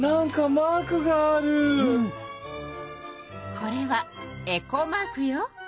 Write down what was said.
これはエコマークよ。